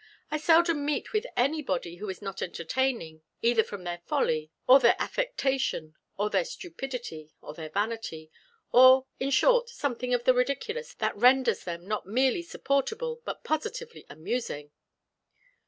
I seldom meet with anybody who is not entertaining, either from their folly, or their affectation, or their stupidity, or their vanity; or, in short, something of the ridiculous, that renders them not merely supportable, but positively amusing."